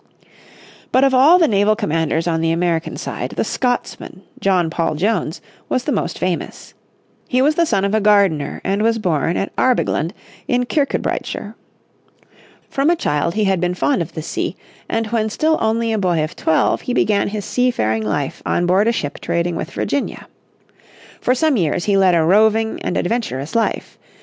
But of all the naval commanders on the American side, the Scotsman, John Paul Jones, was the most famous. He was the son of a gardener, and was born at Arbigland in Kirkcudbrightshire. From a child he had been fond of the sea, and when still only a boy of twelve he began his seafaring life on board a ship trading with Virginia. For some years he led a roving and adventurous life.